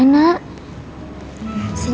sini deh aku bisikin